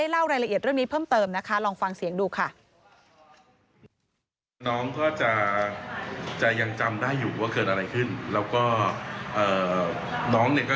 แล้วก็น้องเนี่ยได้มาอยู่กับพ่อ